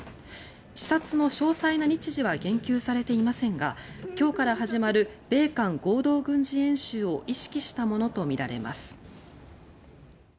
視察の詳細な日時は言及されていませんが今日から始まる米韓合同軍事演習を意識したものとみられます。